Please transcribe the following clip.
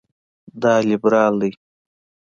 دا لېبرال ده.